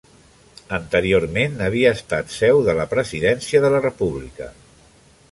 Anteriorment havia estat seu de la presidència de la República.